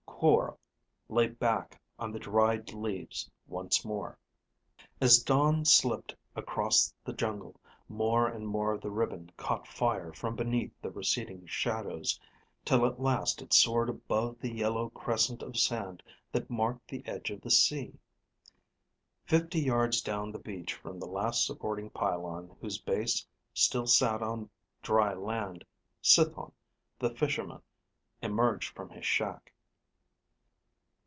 Quorl lay back on the dried leaves once more. As dawn slipped across the jungle, more and more of the ribbon caught fire from beneath the receding shadows, till at last it soared above the yellow crescent of sand that marked the edge of the sea. Fifty yards down the beach from the last supporting pylon whose base still sat on dry land, Cithon, the fisherman, emerged from his shack.